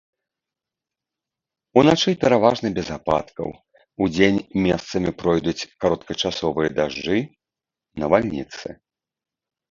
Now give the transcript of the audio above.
Уначы пераважна без ападкаў, удзень месцамі пройдуць кароткачасовыя дажджы, навальніцы.